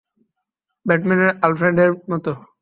ব্যাটম্যানের আলফ্রেডের মতো।